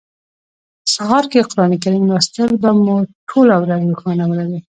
سهار کی قران کریم لوستل به مو ټوله ورځ روښانه ولري